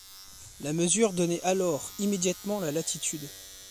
La mesure donnait alors immédiatement la latitude.